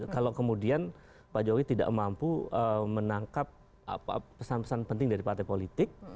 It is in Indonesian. kalau kemudian pak jokowi tidak mampu menangkap pesan pesan penting dari partai politik